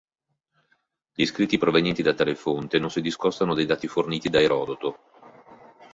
Gli scritti provenienti da tale fonte non si discostano dai dati forniti da Erodoto.